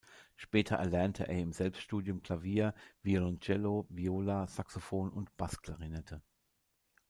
Später erlernte er im Selbststudium Klavier, Violoncello, Viola, Saxophon und Bassklarinette.